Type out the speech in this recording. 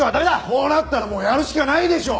こうなったらもうやるしかないでしょう！